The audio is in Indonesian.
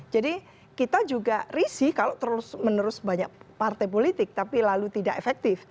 jadi kita juga risih kalau terus menerus banyak partai politik tapi lalu tidak efektif